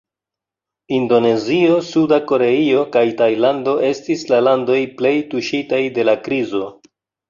Indonezio, Suda Koreio, kaj Tajlando estis la landoj plej tuŝitaj dela krizo.